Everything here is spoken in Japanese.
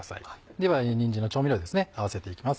ではにんじんの調味料ですね合わせていきます。